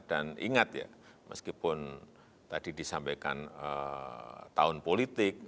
dan ingat ya meskipun tadi disampaikan tahun politik